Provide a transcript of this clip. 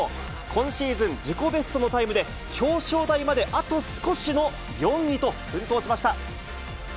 今シーズン自己ベストのタイムで、表彰台まであと少しの４位と、奮闘しました。